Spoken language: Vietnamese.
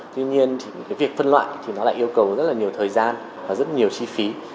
tuy nhiên việc phân loại lại yêu cầu rất nhiều thời gian và rất nhiều chi phí